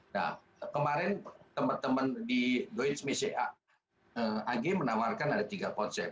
nah kemarin teman teman di joins messa ag menawarkan ada tiga konsep